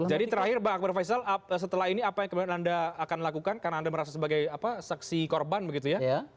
jadi terakhir bang akbar faisal setelah ini apa yang kemudian anda akan lakukan karena anda merasa sebagai saksi korban begitu ya